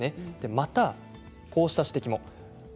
またこうした指摘もあります。